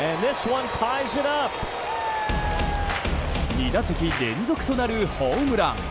２打席連続となるホームラン！